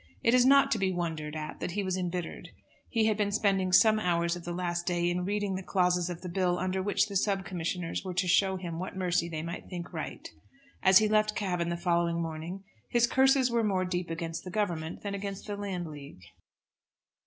It is not to be wondered at that he was embittered. He had been spending some hours of the last day in reading the clauses of the Bill under which the sub commissioners were to show him what mercy they might think right. As he left Cavan the following morning, his curses were more deep against the Government than against the Landleague.